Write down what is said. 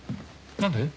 何で？